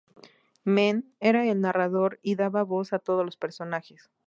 Men", era el narrador y daba voz a todos los personajes.